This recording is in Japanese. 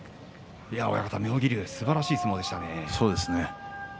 妙義龍、すばらしい相撲でしたね。